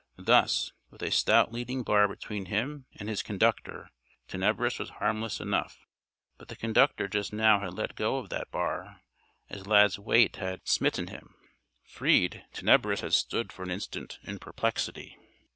Thus, with a stout leading bar between him and his conductor, Tenebris was harmless enough. But the conductor just now had let go of that bar, as Lad's weight had smitten him. Freed, Tenebris had stood for an instant in perplexity.